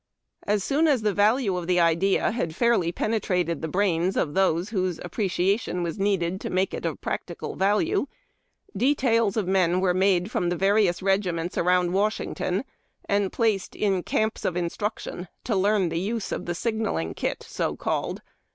As soon as the value of the idea had fairly pene trated the brains of those whose appreciation was needed to make it of practical value, details of men were made from the various regiments around Washington, and placed in camps of instruction to learn the use of the " Signal Kit," so called.